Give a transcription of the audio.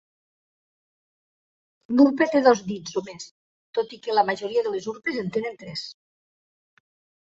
L'urpa té dos dits o més, tot i que la majoria de les urpes en tenen tres.